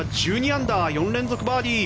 １２アンダー４連続バーディー。